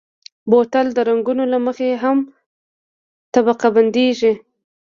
بوتل د رنګونو له مخې هم طبقه بندېږي.